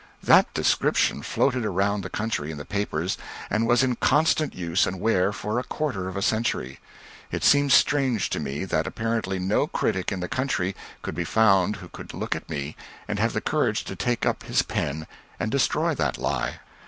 That description floated around the country in the papers, and was in constant use and wear for a quarter of a century. It seems strange to me that apparently no critic in the country could be found who could look at me and have the courage to take up his pen and destroy that lie.